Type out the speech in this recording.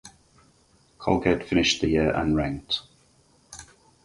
Colgate finished the year unranked.